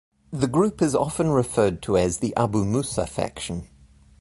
The group is often referred to as the 'Abu Musa Faction'.